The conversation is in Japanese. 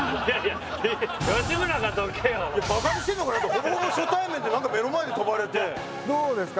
ほぼほぼ初対面で何か目の前で跳ばれてどうですか？